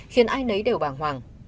khiến ai nấy đều bảng hoàng